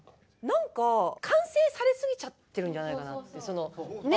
なんか完成されすぎちゃってるんじゃないかなって。ね？